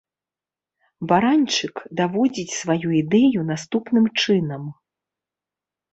Баранчык даводзіць сваю ідэю наступным чынам.